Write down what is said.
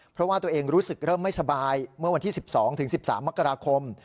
เพราะว่าตัวเองรู้สึกเริ่มไม่สบายเมื่อวันที่๑๒๑๓มกราคม